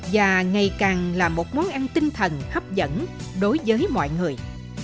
và ngày càng là một món ăn tinh thần hấp dẫn đối với mọi người